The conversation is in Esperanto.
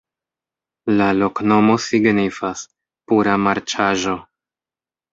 La loknomo signifas: pura-marĉaĵo.